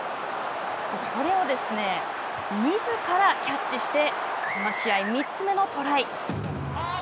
これをみずからキャッチしてこの試合３つ目のトライ。